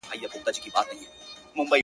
ورشئ، د نړیوالو موسسو راپورونه پرې وګورئ